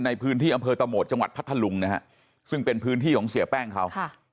ในพื้นที่อำเภอตะโหมดจังหวัดพัทธลุงนะฮะซึ่งเป็นพื้นที่ของเสียแป้งเขา